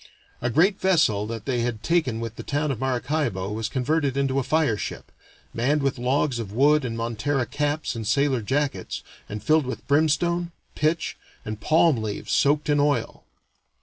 A great vessel that they had taken with the town of Maracaibo was converted into a fire ship, manned with logs of wood in montera caps and sailor jackets, and filled with brimstone, pitch, and palm leaves soaked in oil.